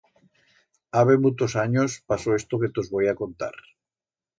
Habe mutos anyos pasó esto que tos voi a contar.